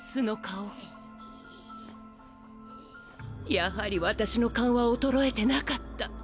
やはり私の勘は衰えてなかった。